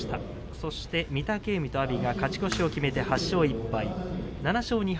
そして御嶽海と阿炎が勝ち越しを決めて８勝１敗。